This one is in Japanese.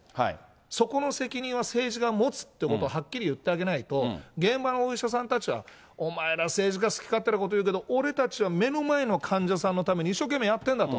そこの責任は政治が持つということをはっきり言ってあげないと、現場のお医者さんたちは、お前ら政治家、好き勝手なこと言うけど、俺たちは目の前の患者さんのために一生懸命やってんだと。